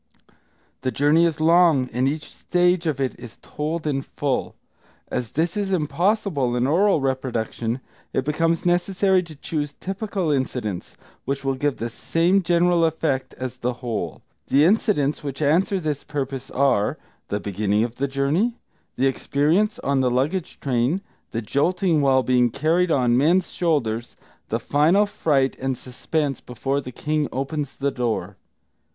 The journey is long, and each stage of it is told in full. As this is impossible in oral reproduction, it becomes necessary to choose typical incidents, which will give the same general effect as the whole. The incidents which answer this purpose are: the beginning of the journey, the experience on the luggage train, the jolting while being carried on men's shoulders, the final fright and suspense before the king opens the door.